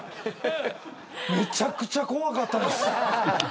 めちゃくちゃ怖かったです。